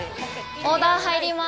オーダー入ります。